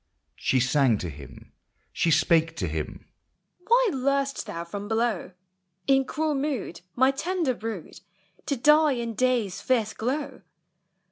She sang to him, she spake to him,— " Why lur'st thou from below, In cruel mood, my tender brood, To die in day's fierce glow